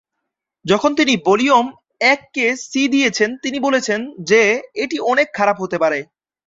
যখন তিনি ভলিউম এককে সি দিয়েছেন, তিনি বলেন যে "এটি অনেক খারাপ হতে পারে"।